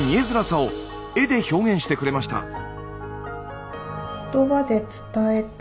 づらさを絵で表現してくれました。